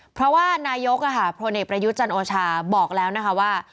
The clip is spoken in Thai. เพราะว่านายกพลเอกประยุทธ์จันโอชาบอกแล้วนะคะว่า